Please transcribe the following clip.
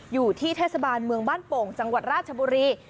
อยู่ที่เทศบาลเมืองบ้านโป่งจังหวัดราชบุรี